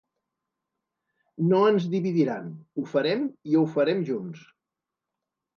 No ens dividiran, ho farem i ho farem junts